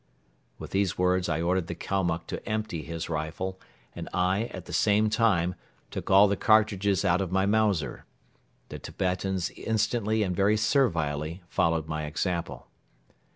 With these words I ordered the Kalmuck to empty his rifle and I, at the same time, took all the cartridges out of my Mauser. The Tibetans instantly and very servilely followed my example.